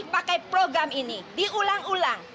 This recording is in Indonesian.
pakai program ini diulang ulang